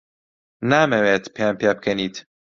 نامەوێت پێم پێبکەنیت.